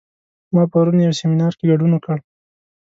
ما پرون یو سیمینار کې ګډون وکړ